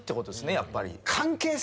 やっぱり。